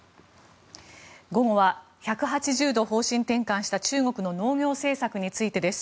午後は１８０度方針転換した中国の農業政策についてです。